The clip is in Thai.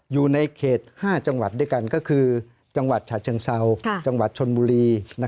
อยู่ในเขต๕จังหวัดด้วยกันก็คือจังหวัดฉะเชิงเซาจังหวัดชนบุรี